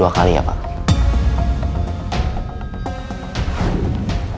tak ada atas